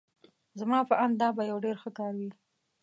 زما په آند دا به یو ډېر ښه کار وي.